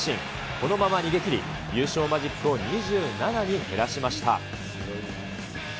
このまま逃げ切り、優勝マジックを２７に減らしました。